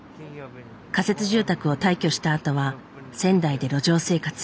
仮設住宅を退去したあとは仙台で路上生活。